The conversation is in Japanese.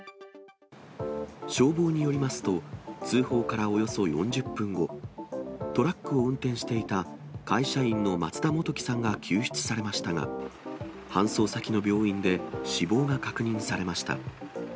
消防によりますと、通報からおよそ４０分後、トラックを運転していた、会社員の松田元気さんが救出されましたが、搬送先の病院で死亡が確認されました。